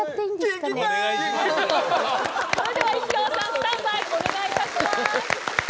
それでは石川さんスタンバイお願い致します。